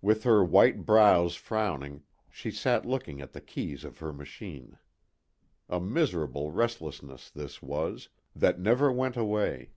With her white brows frowning, she sat looking at the keys of her machine. A miserable restlessness, this was, that never went away.